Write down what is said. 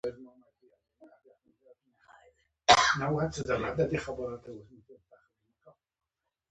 نزولي مرحله یا د مرګ مرحله څلورم پړاو دی.